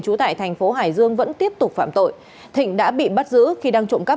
trú tại thành phố hải dương vẫn tiếp tục phạm tội thịnh đã bị bắt giữ khi đang trộm cắp